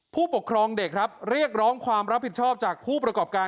ผู้ปกครองเด็กครับเรียกร้องความรับผิดชอบจากผู้ประกอบการ